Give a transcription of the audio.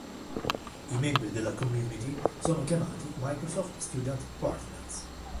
I membri della community sono chiamati Microsoft Student Partners.